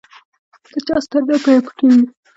د چا ستر نه پرې پټېږي.